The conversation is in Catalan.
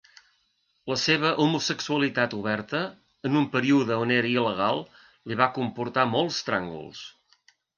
La seva homosexualitat oberta, en un període on era il·legal, li va comportar molts tràngols.